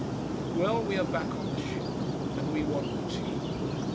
Well, we are back on the ship. And we want tea.